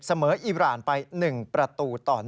อีรานไป๑ประตูต่อ๑